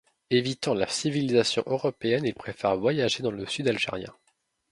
Évitant la civilisation européenne, il préfère voyager dans le Sud algérien.